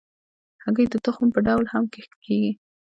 هګۍ د تخم په ډول هم کښت کېږي.